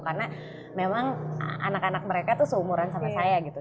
karena memang anak anak mereka tuh seumuran sama saya gitu